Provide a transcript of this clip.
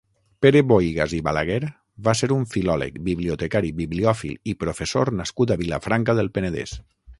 Pere Bohigas i Balaguer va ser un filòleg, bibliotecari, bibliòfil i professor nascut a Vilafranca del Penedès.